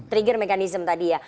trigger mekanism tadi ya